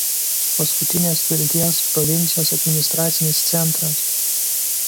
Paskutinės Vilties provincijos administracinis centras.